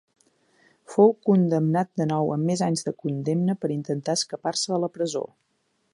Fou condemnat de nou amb més anys de condemna per intentar escapar-se de la presó.